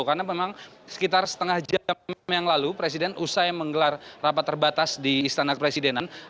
karena memang sekitar setengah jam yang lalu presiden usai menggelar rapat terbatas di istana presidenan